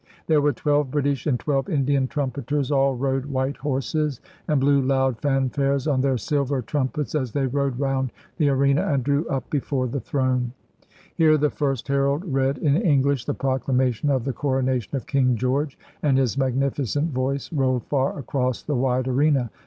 There were twelve British and twelve Indian trumpeters; all rode white horses, and blew loud fanfares on their silver trumpets as they rode round the arena and drew up before the throne. Here the first herald read, in English, the Proclama 256 THE CORONATION DURBAR OF 1911 tion of the Coronation of King George, and his magnifi cent voice rolled far across the wide arena.